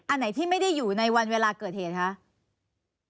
อันไหนที่ไม่ได้อยู่ในวันเวลาเกิดเหตุคะ